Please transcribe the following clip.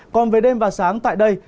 còn về đêm và sáng tại đây